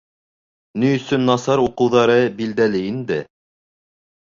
— Ни өсөн насар уҡыуҙары билдәле инде.